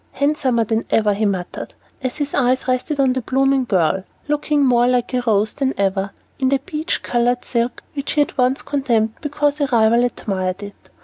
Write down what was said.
"Handsomer than ever," he muttered, as his eye rested on the blooming girl, looking more like a rose than ever in the peach colored silk which he had once condemned because a rival admired it.